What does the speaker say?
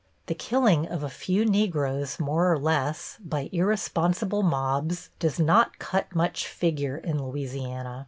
The killing of a few Negroes more or less by irresponsible mobs does not cut much figure in Louisiana.